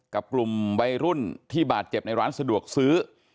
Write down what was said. กับกลุ่มวัยรุ่นที่บาดเจ็บในร้านสะดวกซื้อ